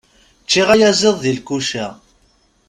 Ččiɣ ayaziḍ di lkuca.